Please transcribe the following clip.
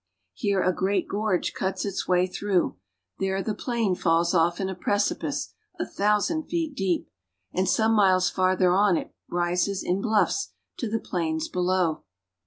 Here a great gorge cuts its way through, there the plain falls off in a precipice a thousand feet deep, and some miles farther on it rises in bluffs to the plains above.